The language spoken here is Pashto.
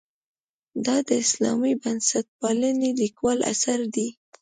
دا د اسلامي بنسټپالنې لیکوال اثر دی.